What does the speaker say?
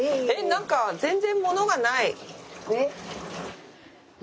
何か全然物がない。